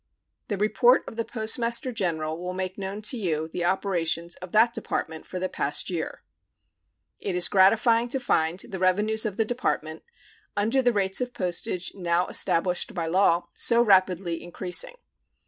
The report of the Postmaster General will make known to you the operations of that Department for the past year. It is gratifying to find the revenues of the Department, under the rates of postage now established by law, so rapidly increasing.